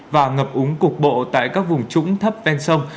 và ngập úng cục bộ tại các vùng trũng thấp ven sông